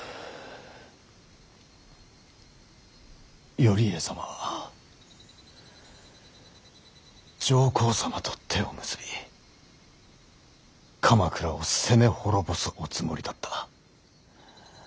頼家様は上皇様と手を結び鎌倉を攻め滅ぼすおつもりだった。